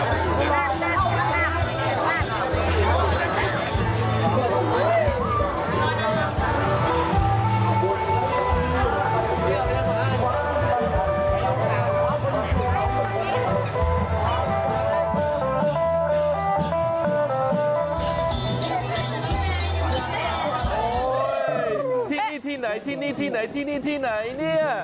โอ้โหที่นี่ที่ไหนที่นี่ที่ไหนที่นี่ที่ไหนเนี่ย